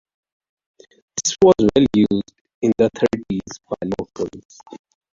This was well used in the thirties by locals.